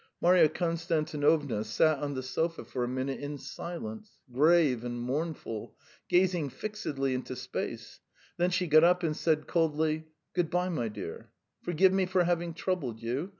Marya Konstantinovna sat on the sofa for a minute in silence, grave and mournful, gazing fixedly into space; then she got up and said coldly: "Good bye, my dear! Forgive me for having troubled you.